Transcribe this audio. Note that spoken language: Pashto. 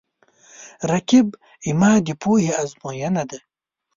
رقیب زما د پوهې آزموینه ده